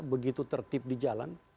begitu tertip di jalan